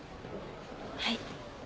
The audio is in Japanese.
はい。